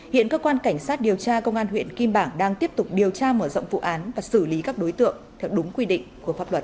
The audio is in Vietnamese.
hiện cơ quan cảnh sát điều tra công an huyện kim bảng đang tiếp tục điều tra mở rộng vụ án và xử lý các đối tượng theo đúng quy định của pháp luật